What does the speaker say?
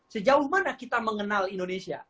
sejauh mana kita mengenal indonesia